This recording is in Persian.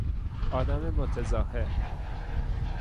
آدم متظاهر